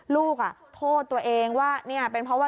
ลูกโทษตัวเองว่าเนี่ยเป็นเพราะว่า